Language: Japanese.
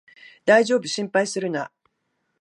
だいじょうぶ、心配するな